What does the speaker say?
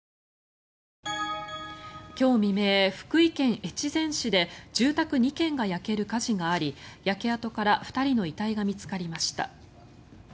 今日未明、福井県越前市で住宅２軒が焼ける火事があり焼け跡から２人の遺体が見つかりました。